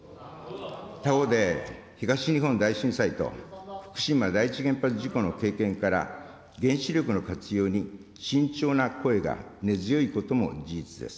他方で、東日本大震災と福島第一原発事故の経験から、原子力の活用に慎重な声が根強いことも事実です。